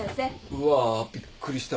うわあびっくりした。